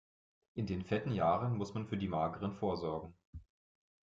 In den fetten Jahren muss man für die mageren vorsorgen.